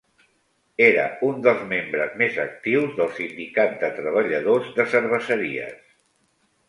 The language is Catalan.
Era un dels membres més actius del Sindicat de Treballadors de Cerveseries.